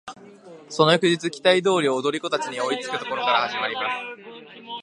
その翌日期待通り踊り子達に追いつく処から始まります。